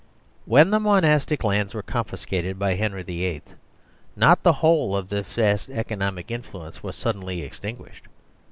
When the Monastic lands were confiscated by Henry VIII., not the whole of this vast economic influence was suddenly extinguished.